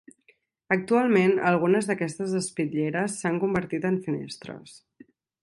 Actualment, algunes d'aquestes espitlleres s'han convertit en finestres.